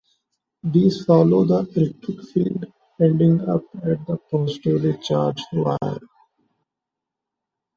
These follow the electric field ending up at the positively charged wire.